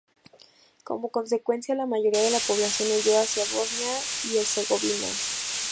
Como consecuencia, la mayoría de la población huyó hacia Bosnia y Herzegovina.